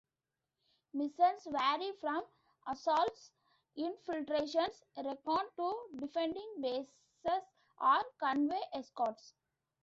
Missions vary from assaults, infiltrations, recon to defending bases or convoy escorts.